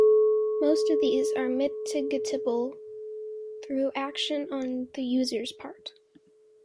Most of these are mitigatible through action on the users' part.